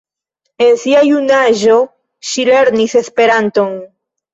En sia junaĝo ŝi lernis Esperanton.